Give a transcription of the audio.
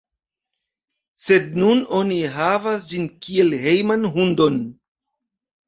Sed nun oni havas ĝin kiel hejman hundon.